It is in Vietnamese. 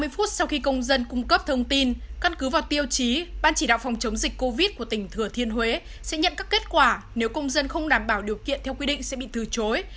ba mươi phút sau khi công dân cung cấp thông tin căn cứ vào tiêu chí ban chỉ đạo phòng chống dịch covid của tỉnh thừa thiên huế sẽ nhận các kết quả nếu công dân không đảm bảo điều kiện theo quy định sẽ bị từ chối